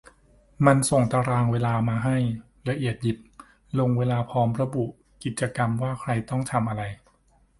มันส่งตารางเวลามาให้ ! ละเอียดยิบ ลงเวลาพร้อมระบุกิจกรรมว่าใครต้องทำอะไร